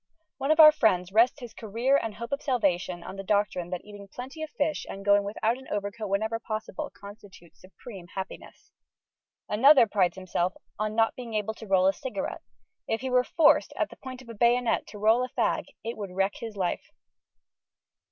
One of our friends rests his career and hope of salvation on the doctrine that eating plenty of fish and going without an overcoat whenever possible constitute supreme happiness. Another prides himself on not being able to roll a cigarette. If he were forced, at the point of the bayonet, to roll a fag, it would wreck his life.